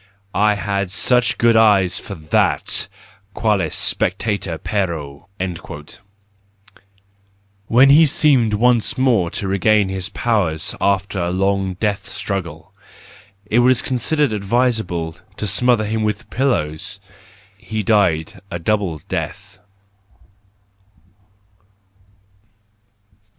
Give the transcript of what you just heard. I had such good eyes for that: qualis spectator pereo I" When he seemed once more to regain his powers after a long death struggle, it was considered advisable to smother him with pillows,—he died a double death.